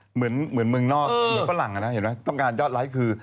เหมือนเมืองนอกเหมือนฝรั่งนะเห็นไหมต้องการยอดไลค์คือ